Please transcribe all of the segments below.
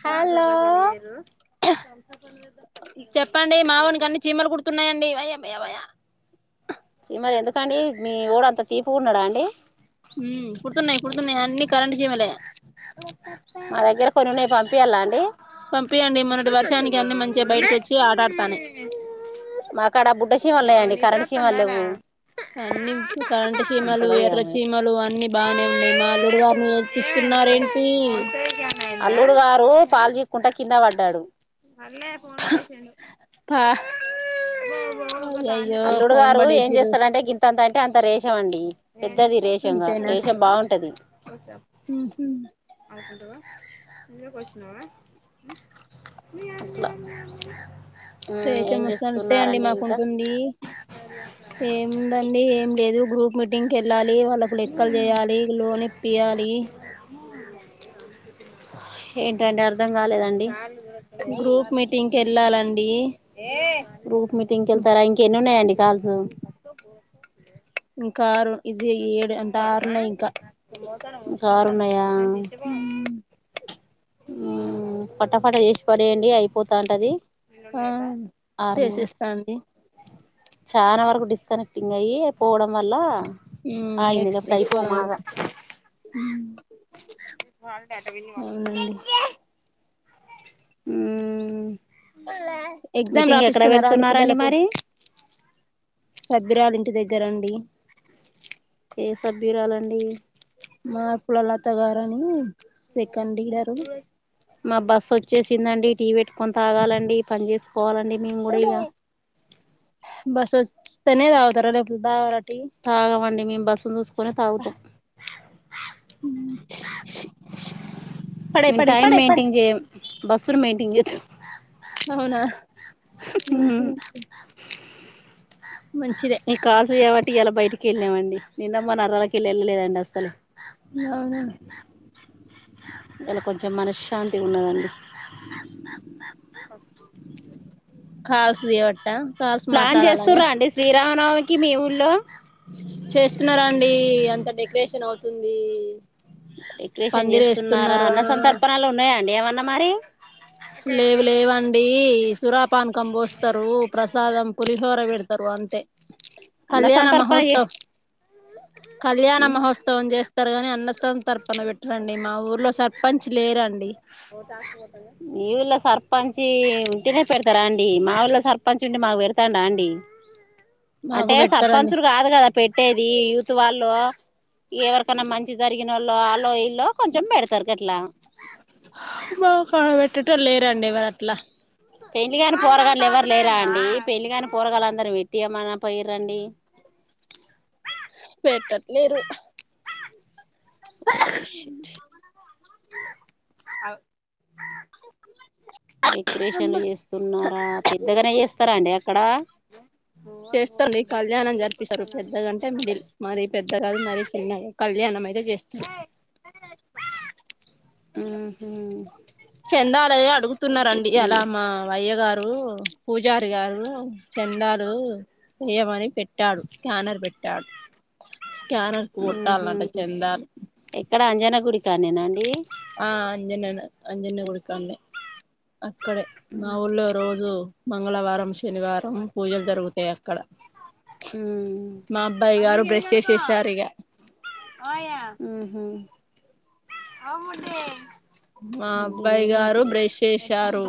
Hello చెప్పండి మావనికన్ని చీమలు కుడుతున్నాయండి. వయమ్మయమ్మయ చిమలు ఎందుకండి మీ ఓడు అంత తీపుగున్నడా అండి? మ్ కుడుతున్నాయి కుడుతున్నాయి అన్ని కరెంట్ చీమలే మా దగ్గర కొన్ని పంపియల్ల అండి. పంపియండి మొన్నటి వర్షానికి [unintelligible] అన్ని మంచిగా లే బయటకి వచ్చి ఆటాడుతాన్నాయి నీ మాకాడ బుడ్డ సీమలే అండి, కరెంట్ సీమలు లేవు. అన్ని [unintelligible] కరంటు చీమలు, అంతడో ఎర్ర ఏమో చీమలు అన్ని బానే ఉన్నాయి. మా అల్లుడు గారిని ఎడ్ ప్పిస్తున్నారేంటి? ఓ పాలు చీకుంట కింద పడ్డాడు. అట్లే ఫొన్ పడేసిండు. పా అయ్యయ్యో అల్లుడు ఫోన్ గారు ఏం పడేసిర్రు చేస్తారంటే, గింతంతా టే అంత రేషం అండి పెద్దది రేషంగా. రేషం బాగుంటది. మ్ హు అట్ల రేషం వస్తే అంతే అండి మాకుంటుంది, ఏముందండి ఏం లేదు. గ్రూప్ మీటింగ్ కెళ్ళాలి వాళ్ళకు లెక్కలు చేయాలి. లోన్ ఇప్పి యాలి. ఏంటండి అర్ధం కాలేదండి. గ్రూప్ మీటింగ్కెళ్ళాలండి. గ్రూప్ మీటింగ్ కెళ్తారా! ఇంకెన్నున్నాయండి కాల్స్? ఇంకారు ఇది ఏడు అంటే ఆరున్నాయి ఇంకా. ఇంక ఆరున్నాయా? పట్ట పట చేసి పడేయండి. అయిపోతాంటది. ఆ ఆరున్నాయట. చేసేస్తాండి చాన వరకు డిస్కనెక్టింగ్ అయ్యి పోవడం వల్ల, అయింది నెక్స్ట్ లేకపోతె అయిపోవు ఎక్కువగా మాగ రేపు హాలిడే అట విన్నీ వాళ్ళపో అవునండి మ్ ఎగ్జామ్ రాపిస్తున్నారా అండి పెడుతున్నారండి పిల్లలకు? మరి సభ్యురాలు ఇంటి దగ్గరండి. ఏ సభ్యురాలండి? మాకు ల లత గారని సెకండ్ లీడరు. మా బస్ వచ్చేసిందండి. టీ పెట్టుకొని తాగాలండి. పని చేస్ పోవాలండి మేము కూడ ఇగ. తేనే తాగుతారా లేకపోతే తాగర తాగమండీ మేము బస్సు చూసుకొనే తాగుతాం. మ్ టైమ్ మెయింటింగ్ చేయం. బస్సుని మెయింటింగ్ చే అవునా మంచిదే నీ కాల్ చేయబట్టి ఈయాల బయటికి కెల్లామండి నిన్న మ నరాలకిళ్ళ వెళ్ళలేదండి అసలే నా ఇయాల కొంచెం మనశ్శాంతిగా ఉన్నదండి కాల్స్ జెబ ప్లాన్ చేస్తరా అండి శ్రీరామనవమికి మీ ఊళ్లో చేస్తున్నారు అండి అంత డెకరేషన్ అవుతుంది డెకరేషన్ పందిరి చేస్తున్నారా వేస్తున్నారు ఆ అన్న సంతర్పణలు ఉన్నాయాండి ఏమన్నా మరి లేవు లేవండి సురాపానకం పోస్తారు ప్రసాదం పులిహోర పెడతారు తరు అంతే అన్న కళ్యాణ సంతర్పణ చే మహోత్సవ్ కళ్యాణ ఉమ్ మహోత్సవం చేస్తారు గాని అన్నస్థానం తరపనం పెట్టరండి మా ఊర్లో సర్పంచ్ లేరండి [unintelligible] మీఊళ్ళ సర్పంచ్ ఉంటినే పెడతారా అండి మా ఊళ్ళలో సర్పంచ్ ఉంటే మాకు పెడతాడా అండి మాకు అంటే పెట్టరండి సర్పంచులు కాదు కదా పెట్టేది యూత్ వాళ్ళు ఎవరికైన్నా మంచి జరిగిన వాళ్ళు వాలో ఇల్ లో కొంచెం పెడతారు గట్లా పెట్టేటోళ్లు లేరండి ఎవరు అట్లా పెండ్లి కానీ పోరగాళ్లు ఎవరు లేరా అండి పెళ్లి కానీ పోరగాయలు అందరూ పెట్టి ఏమన్నా పోయ రండి పెట్టట్లేరు ఓ షట్ డెకరేషన్లు అమ్మ చేస్తున్నారా పెద్దగానే చేస్తారా అండి అక్కడ చేస్తుం కళ్యాణం జరిపిస్తారు పెద్దగాంటే మిడిల్ మరీ పెద్ద కాదు మరీ చిన్నగా కా కళ్యాణం అయితే చేస్తారు ఊహు చెందాల పెద్ద అడుగుతున్నారండి ఎత్తున అలా మా అయ్యగారు గు పూజారి గారు చందాలు ఏమని పెట్ పెట్టాడు స్కానర్ పెట్టాడు స్కేనర్కి ఊహు కొట్టానంట చందాలు ఎక్కడ అంజన గుడి కానేనా అండి ఆ అంజన్నను అంజన్న గుడికాడ్నే అక్కడే మా ఊళ్లో రోజు మంగళవారం శనివారం పూజలు జరుగుతాయి అక్కడ మా అబ్బాయి గారు బ్రష్ చేసేసారు ఇగ [unintelligible] ఊ హూ [unintelligible] మా మొండి అబ్బాయి లేదు మోతి గారు లేదు బ్రెష్ చేసారు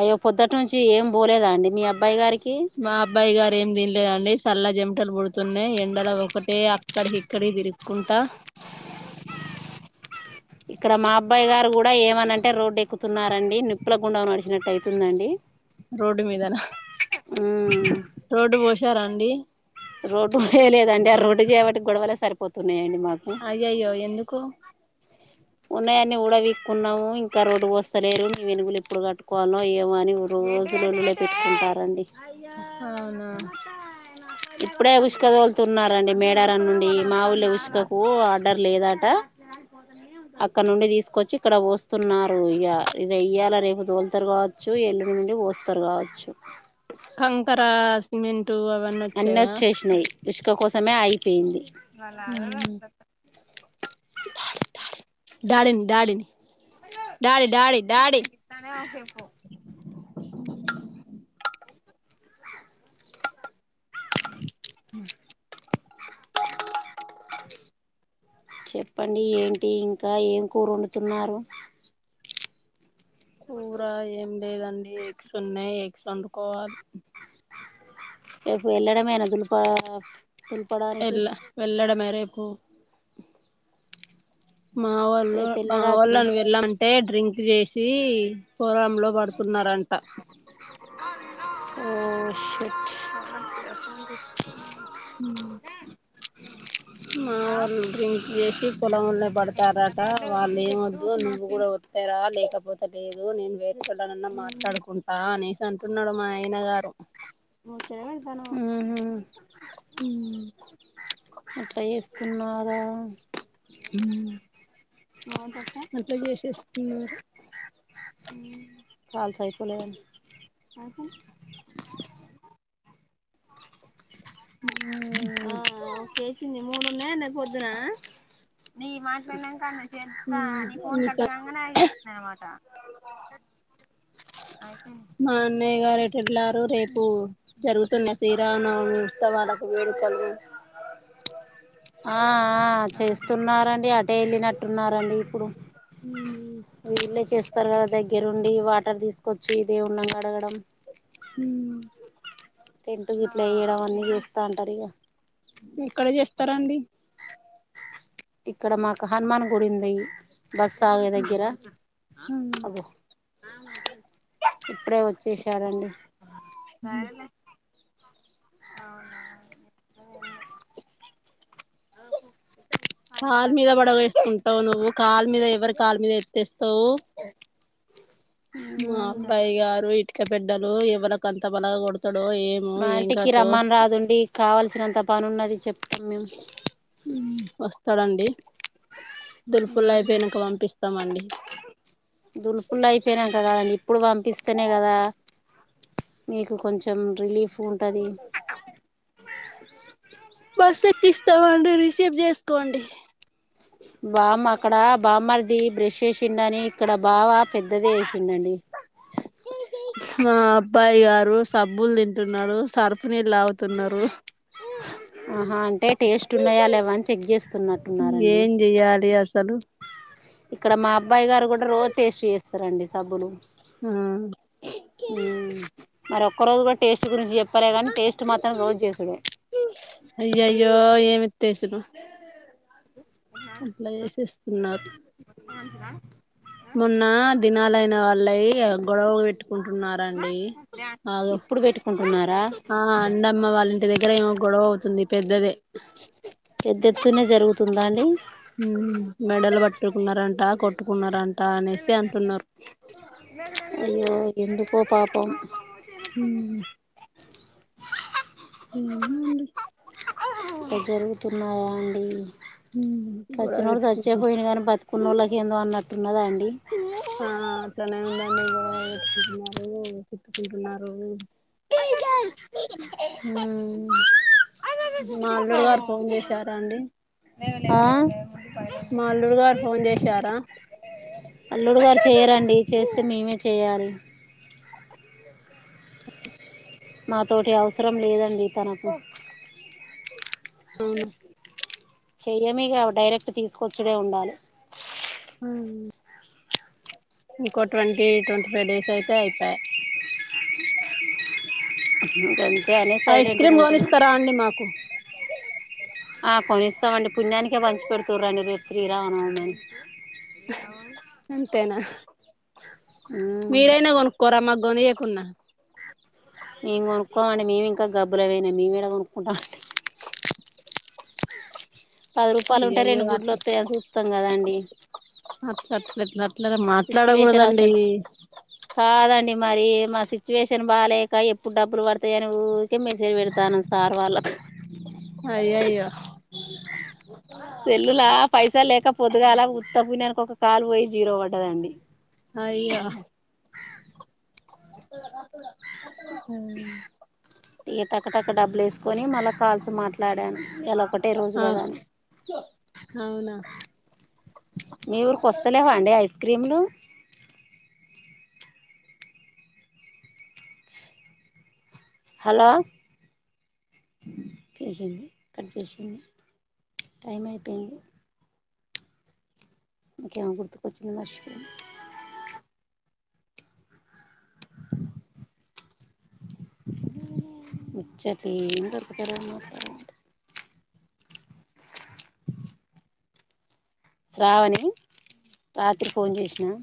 అయ్యో పొద్దుటి నుంచి ఏం పోలేదా అండి మీ అబ్బాయి గారికి మా అబ్బాయి గారు ఏం తిన్లేదండి సల్ల చెమటలు పుడుతున్నాయి ఎండలో ఒకటే అక్కడి ఇక్కడి తిరుక్కుంటా ఇక్కడ మా అబ్బాయి గారు కూడా ఏమనంటే రోడ్డు ఎక్కుతున్నారండి నిప్పుల గుండ నడిచినట్టు అయితుందండి రోడ్ మీదనా ఉమ్ రోడ్డు పోశారా అండి రోడ్డు పోయలేదండి ఆ రోడ్డు చేయవటి గొడవలే సరిపోతున్నాయండి మాకు అయ్యయ్యో ఎందుకు ఉన్నాయని ఉడా వీక్కున్నాము ఇంకా రోడ్డు పోస్తలేరు న వెనుకలు ఇప్పుడు కట్టుకోవలో ఏమోనిఊరు రోజులు పెట్కుంటారండి అవునా ఇప్పుడే ఉసుక తోలుతున్నారండి మేడారం నుండి మా ఊర్ల ఉసుకకు ఆర్డర్ లేదాట అక్కడ నుండి తీసుకొచ్చి ఇక్కడ పోస్తున్నారు ఇక ఇది వెయ్యాల రేపు తోలుతారు కావచ్చు ఎల్లు నుండి వోస్తరు గావచ్చు కంకరా సిమెంట్ అన్నీ వచ్చేసినాయి ఇసుక కోసమే ఆగిపోయింది డాడిన్ డాడిని డాడి డాడి డాడి చెప్పండి ఏంటి ఇంకా ఏం కూర వండుతున్నారు కూర ఏం లేదండి ఎగ్స్ ఉన్నాయి ఎగ్స్ వండుకోవాలి రేపు ఎళ్ళడమేన దులపా ఎళ్ల వెళ్లడమే రేపు మా వోళ్ళు రేపు మా ఎల్లడట్నా వోళ్ళుని వెళ్ళామంటే డ్రింక్ జేసి పొలంలో పడుకున్నారంట వో షట్ మా వోళ్ డ్రింక్ జేసి పొలంలె బడత్ తారట వాళ్ళు ఏమ్ వద్దు నువ్వు కూడా వత్తే రా లేకపోతే లేదు నేను వేరే టోళ్ళనన్న మాట మాట్లాడుకుంటా అనేసి అంటున్నాడు మా ఆయన గారు హ్మ్ హు హ్మ్ అట్లా ఎస్తున్నన్నారా అట్లా జేసేస్తున్నారు కాల్స్ అయిపోలేద హ్మ్ చేసింది మూడున్నాయి అన్నది పొద్దునా నీ మాటలు ఇన్నకాని జేతా నీ ఫోన్ కట్ ఇంకా కంగానే నాకు జేసింది అన్నమాట మా అన్నయ్య గారు ఎటేళారు రేపు జరుగుతున్నాయి శ్రీరామ నవమి ఉత్సవాలకి వేడుకలు ఆ చేస్తున్నారండి అటే ఎళ్ళినట్టున్నారండి ఇప్పుడు వీళ్ళే చేస్ తరు కదా దగ్గరుండి వాటర్ తీసుకొచ్చి దేవుళ్ళను కడగడం హ్మ్ టెంట్ గిట్లా ఎయడం అన్నీ జేస్తా ఉంటారు ఇగ ఎక్కడె చేస్తారాండి ఇక్కడ మాకు హనుమాన్ గుడి ఉంది బస్ ఆగే దగ్గర అగొ ఇప్పుడే వచ్చేసారండి అవునా అ కాలు మీద బడవేసుకుంటావ్ నువ్వు కాలు మీద ఎవరి కాలు మీద ఎత్తేస్తావు మా అబ్బాయి గారు ఇటుక బెడ్డలు ఎవలకంతా బలగ గుడదు మా ఇంటికి రమ్మన్ రాదుండి కావాల్సినంత పని ఉన్నది చెప్తాం మేము వస్తాడండి దులుపుల్ మేము అయిపోయినక పంపిస్తామండి దులుపుల్లు అయిపోయినాక కదండీ ఇప్పుడు పంపిస్తేనే కదా మీకు కొంచెం రిలీఫ్ ఉంటాది బస్ ఎక్కిస్తామండి రిసీవ్ జేసుకోండి బామ్ అక్కడ బామ్మర్ది బ్రెష్ చేసిండని ఇక్కడ బావ పెద్దది ఎసిండండి ఇగారు సబ్బులు తింటున్నాడు సర్ఫ్ నీళ్ళు తాగుతున్నారు ఆహా అంటే టేస్ట్ ఉన్నాయా లేవా అని చెక్ చేస్తున్నట్టున్నరండి. ఏం చెయ్యాలి అసలు ఇక్కడ మా అబ్బాయి గారు కూడా రోజు టేస్ట్ చేస్తారండి సబ్బులు ఆ మరి ఒక్క రోజు కూడా టేస్ట్ గురించి చెప్పలేే గానీ టేస్ట్ మాత్రం రోజు చేసుడే అయ్య అయ్యో ఏమితేసుడు అట్లా చేసేస్తున్నారు మొన్న దినాల చిన్న వాళ్ళ గొడవలు పెట్టుకుంటున్నారండి ఆగ ఇప్పుడు బెట్టుకుంటుంన్ ఆ అండమ్మా వాళ్ళ ఇంటి దగ్గర ఏమో గొడవ అవుతుంది పెద్దదే దునే జరుగుతుందా అండి. మెడలు పట్టుకున్నారంట కొట్టుకున్నారంట అనేసి అంటున్నారు అయ్యో ఎందుకో పాపం మ్మ్ ఏమో అండి జరుగుతున్నాయా అండి గొడవ సచ్చినోడు సచ్చే పెట్టుకుంటురు అయిపోయిండు కానీ బతుకున్న వాళ్ళకి ఏందో అన్నట్టున్నదా అండి ఆ అట్లనే ఉందండి గొడవ పెట్టుకుంటున్నారు తిట్టుకుంటున్నారు. మ్ మా అల్లుడు గారు ఫోన్ చేశారా అండి ఆ మాల్లుడు గారు ఫోన్ చేశారా చేయారండి చేస్తే మేమే చేయాలి. నాతోటి అవసరం లేదండి తనకు అవున చెయ్యమిగ డైరెక్ట్ తీసుకొచ్చుడే ఉండాలె మ్ ఇంకో ట్వంటీ ట్వంటీఫైవ్ డేస్ అయితే అయిపెయ్ గంతే అనే ఐస్ సైలెంట్గా క్రీమ్ ఉంటున్నాం కొనిస్తరా అండి మాకు ఆ కొనిస్తామండి పుణ్యానికే పంచి పెడుతు రండి రేపు శ్రీరామ నవమి అని మ్ అవున అంతేనా, మీరైనా కొనుక్కోరా మాగొనియకున్న మేము కొనుక్కోమండి మేము ఇంకా గబ్బులేవిన మేమెడ కొనుక్కుంటాం అండి పది రూపాయలు ఉంటె రెండు అయ్యయ్యో అట్లా గుడ్లోత్తాయని చూత్తం కదండి అ [inaudible] సిచ్యువేషన్ అసోంటిది, కాదండి మరీ మా సిచ్యువేషన్ బాలేక ఎప్పుడు డబ్బులు పడుతాయని ఉరికే మెసేజ్ పెడతాను సార్ వాళ్ళక్ అయ్యయ్యో పొద్గాలా ఉత్త పున్యాన్కి ఒక కాలు పోయి జీరో పడ్దదండి అయ్యో అ [inaudible] ఇగ టక టక్క డబ్బులు వేసు కొని మళ్ళ కాల్స్ మాట్లాడాను ఇయల ఒక్కటే రోజు ఆ కదా అని అవునా మీ ఊరికొస్తలేవండి ఐస్ క్రీమ్లు హలో చేసింది, కట్ చేసింది, టైం అయిపోయింది. ఇంకేమో గుర్తుకొచింది మర్షిపోయ్నా అ [inaudible] ముచ్చటేమ్ దొరకుతలేదట్ మ కర్ శ్రావణి, రాత్రి ఫోన్ చేసినా